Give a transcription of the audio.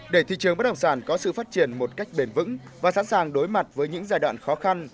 để thị trường bất động sản có sự phát triển một cách bền vững và sẵn sàng đối mặt với những giai đoạn khó khăn